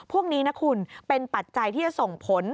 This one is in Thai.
พวกนี้นะคุณเป็นปัจจัยที่จะส่งผล